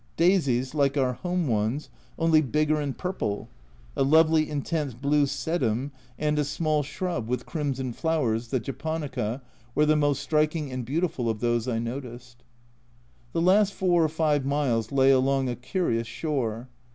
Daisies, like our home ones, only bigger and purple ; a lovely intense blue sedum, and a small A Journal from Japan 129 shrub, with crimson flowers, the Japonica, were the most striking and beautiful of those I noticed. The last 4 or 5 miles lay along a curious shore.